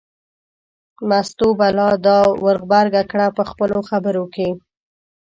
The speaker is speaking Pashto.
مستو به لا دا ور غبرګه کړه په خپلو خبرو کې.